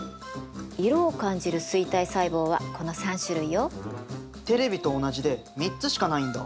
色を感じる錐体細胞はこの３種類よ。テレビと同じで３つしかないんだ？